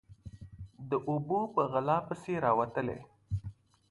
_د اوبو په غلا پسې راوتلی.